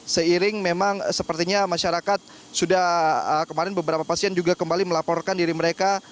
seiring memang sepertinya masyarakat sudah kemarin beberapa pasien juga kembali melaporkan diri mereka